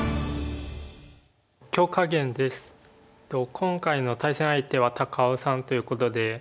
今回の対戦相手は高尾さんということで。